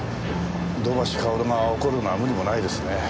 土橋かおるが怒るのは無理もないですね。